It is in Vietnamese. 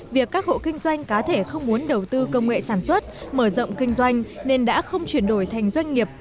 việc các hộ kinh doanh cá thể không muốn đầu tư công nghệ sản xuất mở rộng kinh doanh nên đã không chuyển đổi thành doanh nghiệp